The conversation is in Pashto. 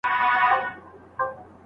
ګوربت هم سو وردننه سمدلاسه